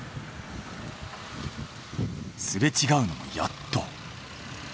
すれ違うのもやっと。